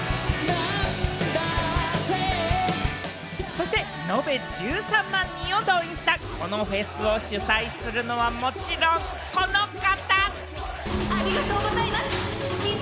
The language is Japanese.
そして延べ１３万人を動員したこのフェスを主催するのはもちろん、この方。